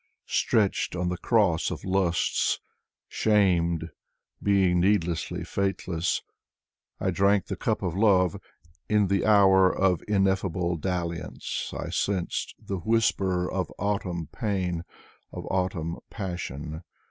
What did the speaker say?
Stretched on the cross of lusts. Shamed, being needlessly faithless, I drank the cup of love. In the hour of ineffable dalliance I sensed the whisper Of autumn pain, of autumn passion.